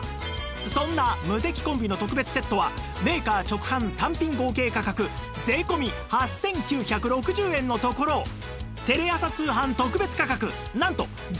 そんなムテキコンビの特別セットはメーカー直販単品合計価格税込８９６０円のところテレ朝通販特別価格なんと税込５９８０円です！